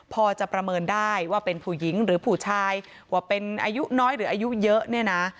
พอจะประเมินได้ว่าเป็นผู้หญิงหรือผู้ชายว่าเป็นอายุน้อยหรืออายุเยอะเนี่ยนะ